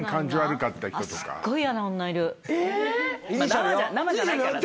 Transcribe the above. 生じゃないから大丈夫。